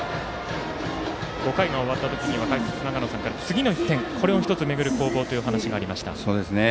５回が終わった時には解説、長野さんから次の１点を巡る攻防というお話がありました。